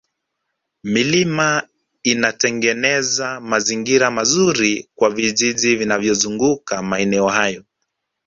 milima inatengeneza mazingira mazuri kwa vijiji vinavyozunguka maeneo hayo